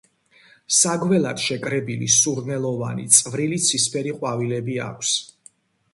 საგველად შეკრებილი, სურნელოვანი, წვრილი ცისფერი ყვავილები აქვს.